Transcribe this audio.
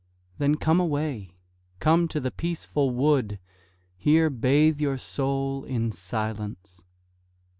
Then come away, come to the peaceful wood, Here bathe your soul in silence.